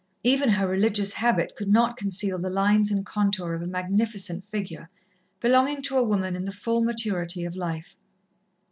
Even her religious habit could not conceal the lines and contour of a magnificent figure, belonging to a woman in the full maturity of life.